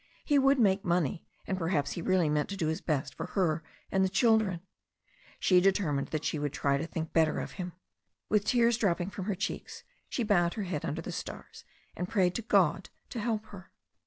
He would make money, and perhaps he really meant to do his best for her and the children. She determined that she would try to think better of him. With tears dropping from her cheeks she bowed her head under the stars and prayed to God to help her.